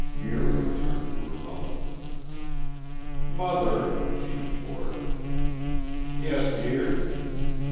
Muriel turned to her mother. "Mother," she implored. "Yes, dear?"